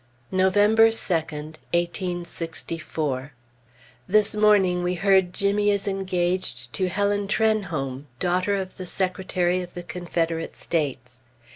November 2d, 1864. This morning we heard Jimmy is engaged to Helen Trenholm, daughter of the Secretary of the Confederate States.